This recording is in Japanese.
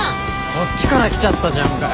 こっちから来ちゃったじゃんかよ！